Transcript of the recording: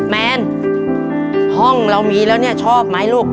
แมนห้องเรามีแล้วเนี่ยชอบไหมลูก